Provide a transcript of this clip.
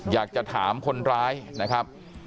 อยากจะถามคนร้ายนะครับ